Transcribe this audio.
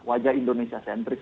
wajah indonesia centris